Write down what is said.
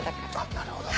なるほど。